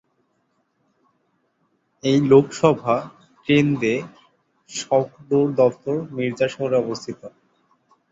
এই লোকসভা কেন্দ্রের সদর দফতর মির্জাপুর শহরে অবস্থিত।